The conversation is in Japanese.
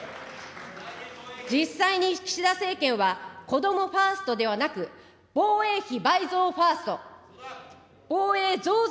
実際に岸田政権は、こどもファーストではなく、防衛費倍増ファースト、防衛増税